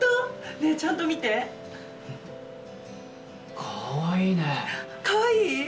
ねえちゃんと見てかわいいねかわいい？